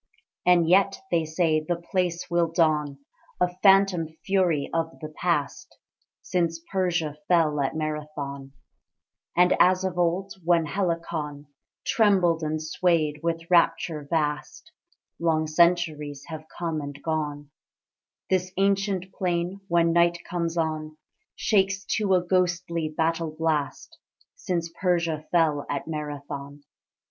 And yet (they say) the place will don A phantom fury of the past, Since Persia fell at Marathon; And as of old, when Helicon Trembled and swayed with rapture vast (Long centuries have come and gone), This ancient plain, when night comes on, Shakes to a ghostly battle blast, Since Persia fell at Marathon.